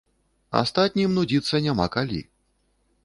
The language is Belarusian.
Астатнім нудзіцца няма калі.